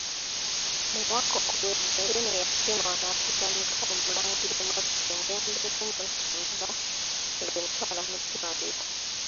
Mu mwaka oguwedde Beene yasiima n'agulira Omulangira emmotoka emuyambeko okumutambuza ng'emutwala mu ddwaliro.